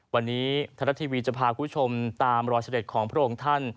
วันนี้ไทยรัฐทีวีจะพาคุณผู้ชมตามรอยเสด็จของพระองค์ท่าน